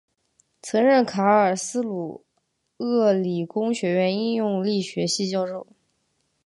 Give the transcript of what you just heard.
曾任卡尔斯鲁厄理工学院应用力学系教授。